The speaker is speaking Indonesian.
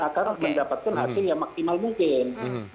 akan mendapatkan hasil yang maksimal mungkin